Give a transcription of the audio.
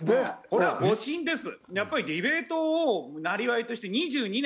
これは誤審です！